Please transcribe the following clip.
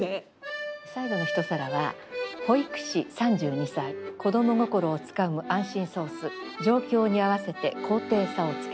最後の一皿は「保育士３２歳子供心をつかむ安心ソース状況に合わせて高低差をつけて」。